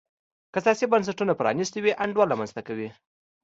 که سیاسي بنسټونه پرانیستي وي انډول رامنځته کوي.